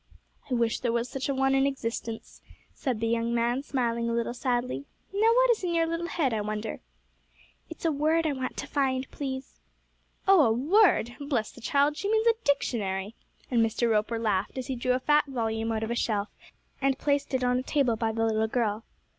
'I wish there was such a one in existence,' said the young man, smiling a little sadly. 'Now what is in your little head, I wonder?' 'It's a word I want to find, please.' 'Oh, a word! Bless the child, she means a dictionary!' and Mr. Roper laughed as he drew a fat volume out of a shelf, and placed it on a table by the little girl.